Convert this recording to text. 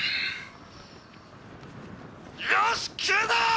「よし決めた！